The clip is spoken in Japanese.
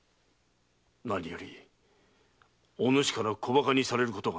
何よりおぬしから小バカにされることがな。